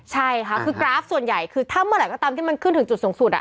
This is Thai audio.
ใช่ค่ะคือกราฟส่วนใหญ่คือถ้าเมื่อไหร่ก็ตามที่มันขึ้นถึงจุดสูงสุด